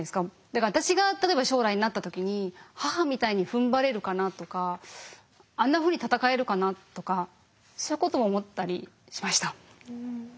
だから私が例えば将来なった時に母みたいにふんばれるかなとかあんなふうに戦えるかなとかそういうことも思ったりしました。